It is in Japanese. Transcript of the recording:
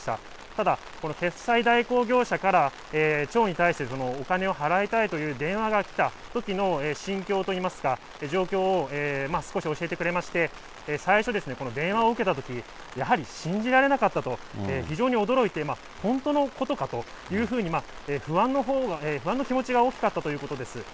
ただ、この決済代行業者から、町に対してお金を払いたいという電話が来たときの心境といいますか、状況を少し教えてくれまして、最初、この電話を受けたとき、やはり信じられなかったと、非常に驚いて、本当のことかというふうに、不安の気持ちが大きかったということです。